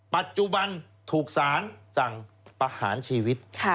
ปัจจุบันถูกสารสั่งประหารชีวิต